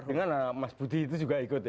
dengan mas budi itu juga ikut ya